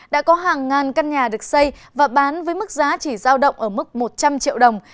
đã có hàng ngàn căn nhà được xây và bán với mức giá chỉ giao động ở mức một trăm linh triệu đồng